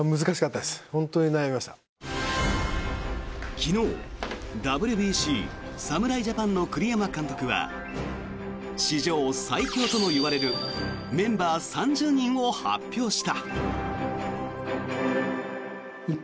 昨日ＷＢＣ侍ジャパンの栗山監督は史上最強ともいわれるメンバー３０人を発表した。